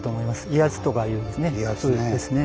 威圧とかいうですね。